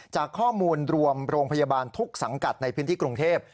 จากข้อมูลรวมโรงพยาบาลทุกสังกัดในพื้นที่กรุงเทพ